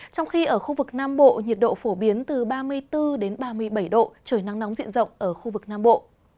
trong khi ở khu vực nam bộ nhiệt độ phổ biến từ ba mươi bốn ba mươi bảy độ trời nắng nóng diện rộng ở khu vực nam bộ